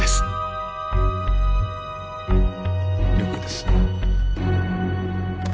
了解です。